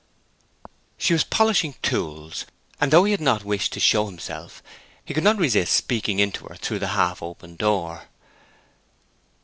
She was polishing tools, and though he had not wished to show himself, he could not resist speaking in to her through the half open door.